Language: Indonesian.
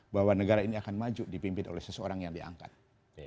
bahwa negara ini akan maju dipimpin oleh seseorang yang diangkat